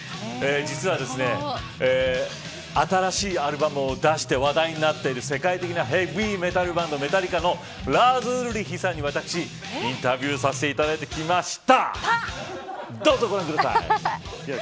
実は、新しいアルバムを出して話題になっている世界的なヘヴィメタルバンドメタリカのラーズ・ウルリッヒさんに私、インタビューさせていただいてきました。